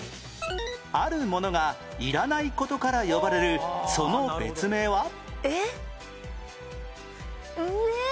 あるものがいらない事から呼ばれるその別名は？えっ？ええ？